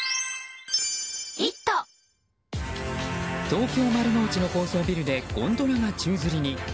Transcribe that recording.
東京・丸の内の高層ビルでゴンドラが宙づりに。